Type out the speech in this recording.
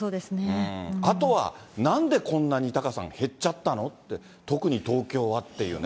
あとは、なんでこんなにタカさん、減っちゃったのって、特に東京はっていうね。